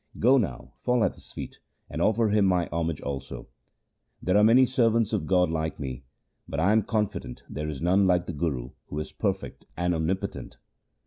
Go now, fall at his feet, and offer him my homage also. There are many servants of God like me, but I am confident there is none like the Guru who is perfect and omnipotent.'